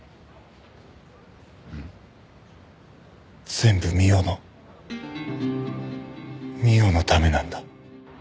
全部美緒の美緒のためなんだ。